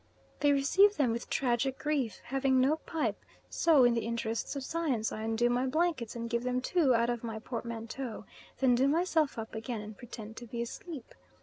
They receive them with tragic grief, having no pipe, so in the interests of Science I undo my blankets and give them two out of my portmanteau; then do myself up again and pretend to be asleep.